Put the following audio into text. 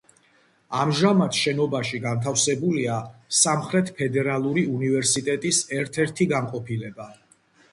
ამჟამად შენობაში განთავსებულია სამხრეთ ფედერალური უნივერსიტეტის ერთ-ერთი განყოფილება.